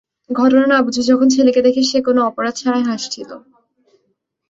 ঘটনা না বুঝে, যখন ছেলেকে দেখে সে কোনো অপরাধ ছাড়াই হাসছিল।